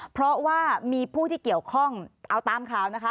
เพราะว่ามีผู้ที่เกี่ยวข้องเอาตามข่าวนะคะ